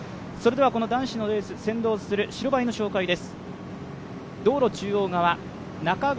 男子のレース、先導する白バイの紹介です。